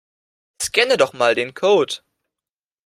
Scanne doch mal den Code.